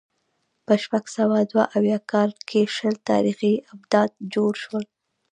په شپږ سوه دوه اویا کال کې شل تاریخي آبدات جوړ شول